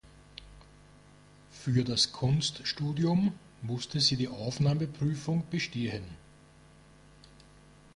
Für das Kunststudium musste sie die Aufnahmeprüfung bestehen.